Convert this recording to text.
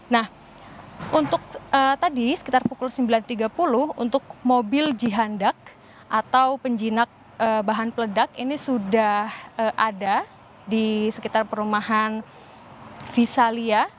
nah untuk tadi sekitar pukul sembilan tiga puluh untuk mobil jihandak atau penjinak bahan peledak ini sudah ada di sekitar perumahan visalia